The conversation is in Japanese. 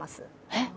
えっ？